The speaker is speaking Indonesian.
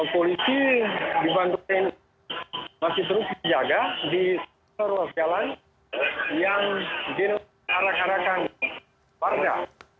polisi dibantuin masih terus dijaga di seluruh jalan yang diarahkan warga